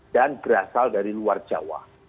dan berasal dari luar jawa